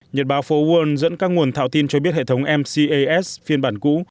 nhật báo forward dẫn các nguồn thảo tin cho biết hệ thống mcas phiên bản cũ